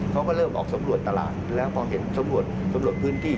เขาก็เริ่มออกสำรวจตลาดแล้วพอเห็นสำรวจสำรวจพื้นที่